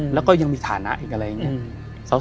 แล้วก็ยังมีฐานะอีกอะไรอย่างนี้